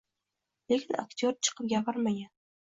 Lekin aktyor chiqib gapirmagan